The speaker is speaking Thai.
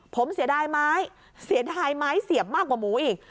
ผมเสียดายไหมเสียดายไหมเสียบมากกว่าหมูอีก